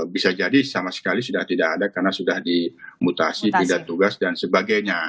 bisa jadi sama sekali sudah tidak ada karena sudah dimutasi bidan tugas dan sebagainya